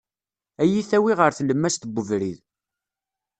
Ad iyi-tawi ɣer tlemmast n ubrid.